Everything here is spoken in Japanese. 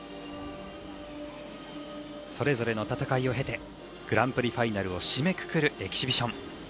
それぞれの戦いを経てグランプリファイナルを締めくくるエキシビション。